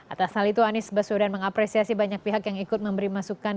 atas hal itu anies baswedan mengapresiasi banyak pihak yang ikut memberi masukan